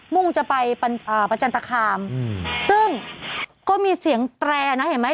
่งจะไปประจันตคามซึ่งก็มีเสียงแตรนะเห็นไหม